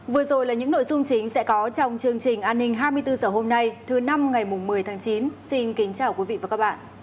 vừa rồi là những nội dung chính sẽ có trong chương trình an ninh hai mươi bốn h hôm nay thứ năm ngày một mươi tháng chín xin kính chào quý vị và các bạn